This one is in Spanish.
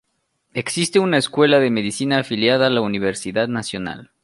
Existe una escuela de medicina afiliada a la universidad nacional.